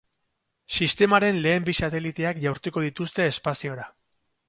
Sistemaren lehen bi sateliteak jaurtiko dituzte espaziora.